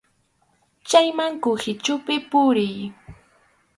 Chayman kuhichupi puriy.